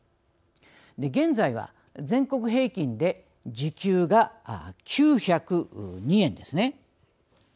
現在は、全国平均で時給が９０２円ですね。